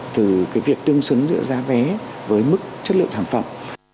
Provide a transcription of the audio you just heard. từ cái việc tương xứng giữa giá vé với mức chất lượng sản phẩm